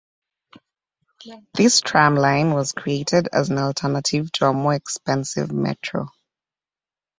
This tram line was created as an alternative to a more expensive metro.